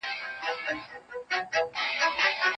د معلوماتو لټون په انټرنیټ کې وخت لږ نیسي.